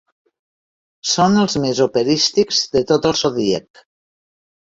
Són els més operístics de tot el Zodíac.